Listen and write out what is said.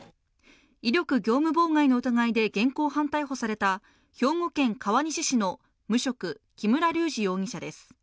威力業務妨害の疑いで現行犯逮捕された兵庫県川西市の無職木村隆二容疑者です。